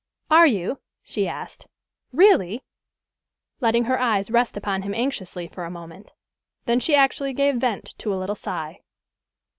"Are you," she asked, "really?" letting her eyes rest upon him anxiously for a moment. Then she actually gave vent to a little sigh.